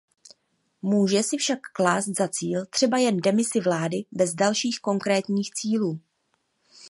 Může si však klást za cíl třeba jen demisi vlády bez dalších konkrétních cílů.